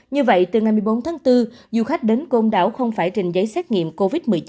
như vậy từ ngày một mươi bốn tháng bốn du khách đến côn đảo không phải trình giấy xét nghiệm covid một mươi chín